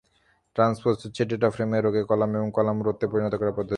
Transpose হচ্ছে ডেটাফ্রেমের রোকে কলামে এবং কলামকে রোতে পরিনত করার পদ্ধতি।